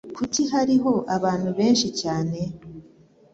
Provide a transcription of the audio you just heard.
Kuki hariho abantu benshi cyane?